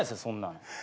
そんなん。